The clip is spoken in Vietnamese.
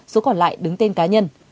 số còn lại đứng tên cá nhân